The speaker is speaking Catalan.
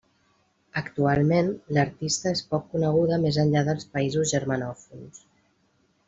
Actualment, l'artista és poc coneguda més enllà dels països germanòfons.